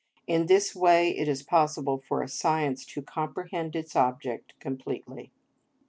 In this way it is possible for a science to comprehend its object completely.